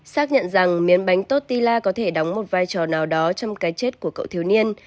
xác nhận rằng miếng bánh tốt tila có thể đóng một vai trò nào đó trong cái chết của cậu thiếu niên